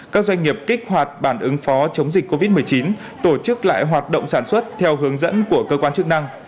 các doanh nghiệp kích hoạt bản ứng phó chống dịch covid một mươi chín tổ chức lại hoạt động sản xuất theo hướng dẫn của cơ quan chức năng